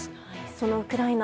そのウクライナ。